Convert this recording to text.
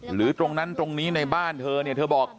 หรือตรงนั้นตรงนี้ในบ้านเธอเนี่ยเธอบอก